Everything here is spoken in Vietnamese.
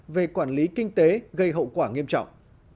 về quản lý kinh tế gây hậu quả nghiêm trọng